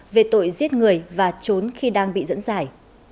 về tội giết người và trốn khi đang bị dẫn giải